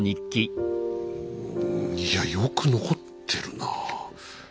いやよく残ってるなあ。